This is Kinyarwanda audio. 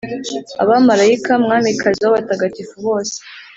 ’abamarayika, mwamikazi w’abatagatifu bose,